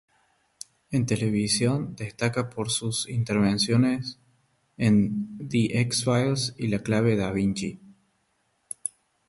En televisión, destaca por su intervenciones en The X-Files y La clave Da Vinci.